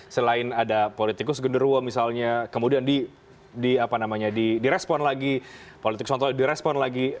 selain ada politikus genderuwa misalnya kemudian di respon lagi politikus kontrol di respon lagi